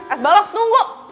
es balok tunggu